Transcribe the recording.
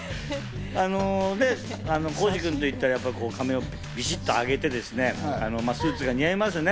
浩次君といったら、髪をビシっと上げてですね、スーツが似合いますね。